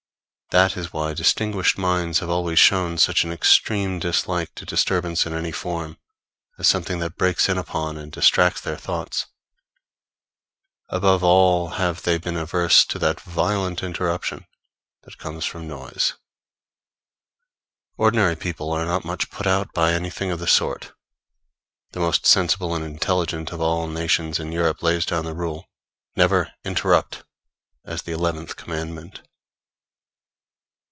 That is why distinguished minds have always shown such an extreme dislike to disturbance in any form, as something that breaks in upon and distracts their thoughts. Above all have they been averse to that violent interruption that comes from noise. Ordinary people are not much put out by anything of the sort. The most sensible and intelligent of all nations in Europe lays down the rule, Never Interrupt! as the eleventh commandment.